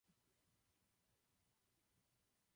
Tvrz Bouda není napojena na veřejnou silniční síť.